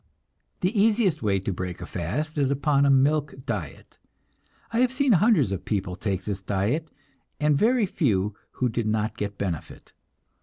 The easiest way to break a fast is upon a milk diet. I have seen hundreds of people take this diet, and very few who did not get benefit.